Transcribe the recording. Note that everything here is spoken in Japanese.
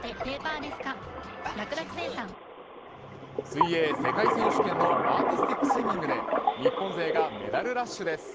水泳世界選手権のアーティスティックスイミングで日本勢がメダルラッシュです。